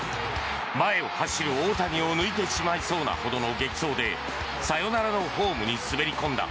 前を走る大谷を抜いてしまいそうなほどの激走でサヨナラのホームに滑り込んだ。